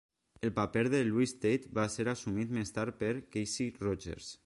El paper de Louise Tate va ser assumit més tard per Kasey Rogers.